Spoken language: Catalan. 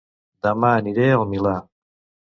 Dema aniré a El Milà